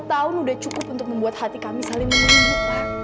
dua puluh tahun sudah cukup untuk membuat hati kami saling menunggu